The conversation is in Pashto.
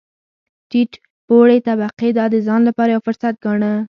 ټیټ پوړې طبقې دا د ځان لپاره یو فرصت ګاڼه.